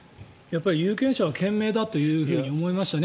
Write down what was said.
有権者は賢明だと思いましたね。